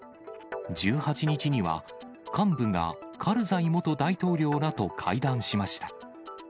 １８日には、幹部がカルザイ元大統領らと会談しました。